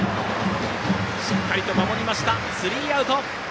しっかりと守ってスリーアウト。